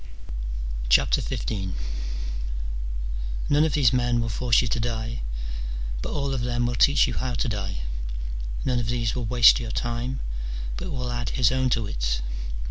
XV. None of these men will force you to die, but all of them will teach you how to die : none of these will waste your time, but will add his own to it.